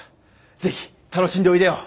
ぜひ楽しんでおいでよ。